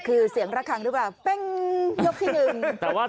คือเสียงละครั้งหรือเปล่าแป้งยกที่หนึ่ง